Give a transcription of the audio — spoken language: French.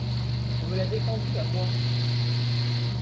On me l’a défendu, à moi !